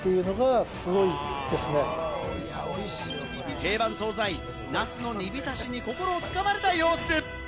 定番総菜、茄子の煮浸しに心を掴まれた様子。